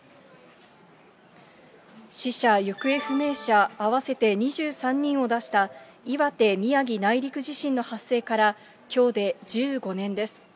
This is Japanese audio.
死者・行方不明者合わせて２３人を出した岩手・宮城内陸地震の発生から、きょうで１５年です。